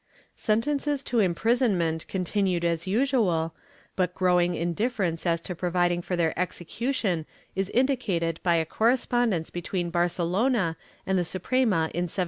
^ Sentences to imprisonment continued as usual, but growing indifference as to providing for their execution is indicated by a correspondence between Barcelona and the Suprema in 1718.